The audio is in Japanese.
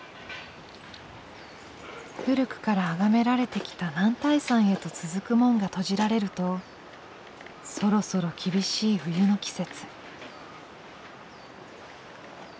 古くから崇められてきた男体山へと続く門が閉じられるとそろそろ厳しい冬の季節。